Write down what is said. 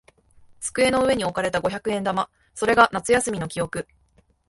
机の上に置かれた五百円玉。それが夏休みの記憶。